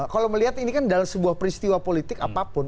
kalau melihat ini kan dalam sebuah peristiwa politik apapun